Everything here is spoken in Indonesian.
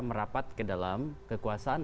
merapat ke dalam kekuasaan